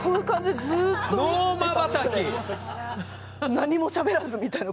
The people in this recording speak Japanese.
何もしゃべらずみたいな。